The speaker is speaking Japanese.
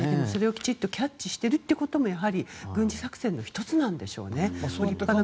それをきちんとキャッチしているということもやはり軍事作戦の１つなんでしょうね。